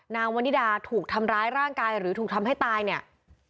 วันนิดาถูกทำร้ายร่างกายหรือถูกทำให้ตายเนี่ย